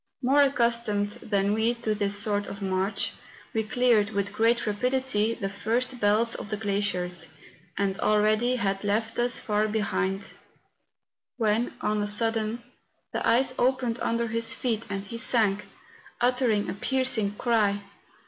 More accustomed than we to this sort of march, he cleared, with great rapidity, the first belts of the glaciers, and already had left us far behind, when, on a sudden, the ice opened under his feet, and he sank, uttering a piercing cry.